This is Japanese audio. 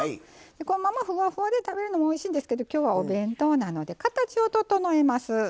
このままふわふわで食べるのもおいしいんですけど今日はお弁当なので形を整えます。